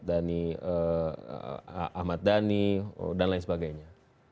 dhani ahmad dhani dan lain sebagainya